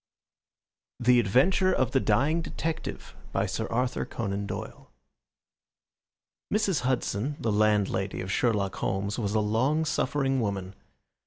The Adventure of the Dying Detective By Sir Arthur Conan Doyle Mrs. Hudson, the landlady of Sherlock Holmes, was a long suffering woman.